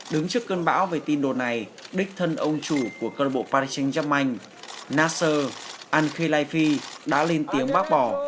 đứng trước cơn bão về tin đồn này đích thân ông chủ của cơ bộ paris saint germain nasser al khelaifi đã lên tiếng bác bỏ